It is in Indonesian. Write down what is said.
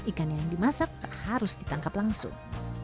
ikan yang dimasak harus ditangkap langsung